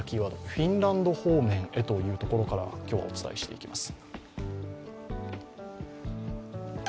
フィンランド方面へということでお伝えしていきます。